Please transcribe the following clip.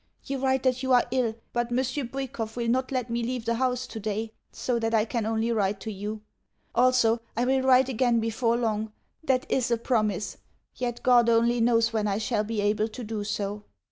You write that you are ill, but Monsieur Bwikov will not let me leave the house today; so that I can only write to you. Also, I will write again before long. That is a promise. Yet God only knows when I shall be able to do so....